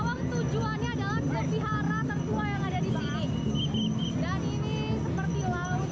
tatung masyarakat semua menjadi tatung